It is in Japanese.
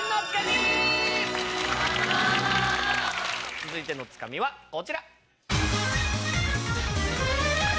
続いてのツカミはこちら。